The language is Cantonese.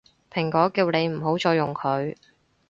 蘋果叫你唔好再用佢